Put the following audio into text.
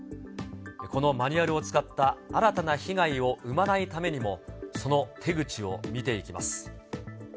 このマニュアルを使った新たな被害を生まないためにもその手口を見ていきます。